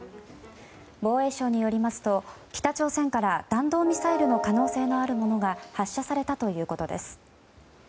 防衛省によりますと北朝鮮から弾道ミサイルの可能性のあるものが発射されたということです。